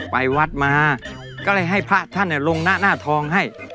ไปวัดมาก็เลยให้พระท่านลงหน้าทองให้